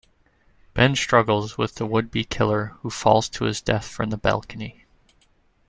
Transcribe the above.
Ben struggles with the would-be killer, who falls to his death from the balcony.